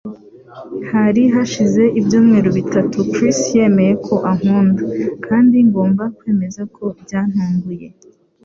Hari hashize ibyumweru bitatu Chris yemeye ko ankunda, kandi ngomba kwemeza ko byantunguye.